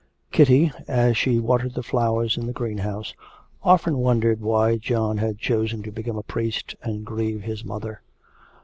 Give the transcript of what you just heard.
Kitty, as she watered the flowers in the greenhouse, often wondered why John had chosen to become a priest and grieve his mother.